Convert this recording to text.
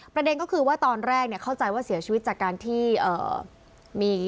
ประเด็นก็คือว่าตอนแรกเข้าใจว่าเสียชีวิตจากการที่มี